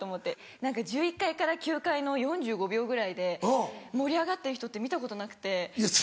何か１１階から９階の４５秒ぐらいで盛り上がってる人って見たことなくて。